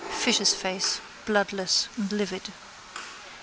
Fish's face, bloodless and livid.